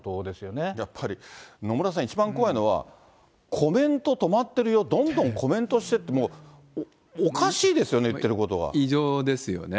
やっぱり野村さん、一番怖いのは、コメント止まってるよ、どんどんコメントしてって、もうお異常ですよね。